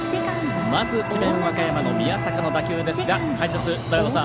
まず智弁和歌山の宮坂の打球ですが解説、長野さん